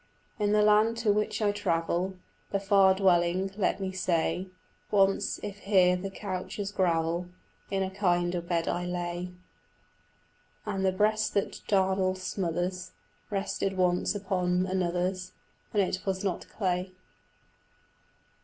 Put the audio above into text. In the land to which I travel, The far dwelling, let me say Once, if here the couch is gravel, In a kinder bed I lay, And the breast the darnel smothers Rested once upon another's When it was not clay.